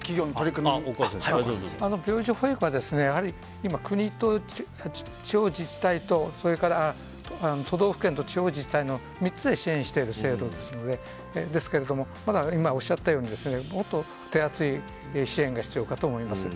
病児保育は国と地方自治体とそれから都道府県の３つで支援してる制度ですので今おっしゃったように、もっと手厚い支援が必要かと思います。